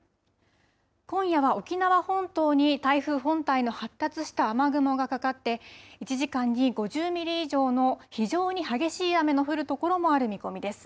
今夜は沖縄本島に台風本体の発達した雨雲がかかって、１時間に５０ミリ以上の非常に激しい雨の降る所もある見込みです。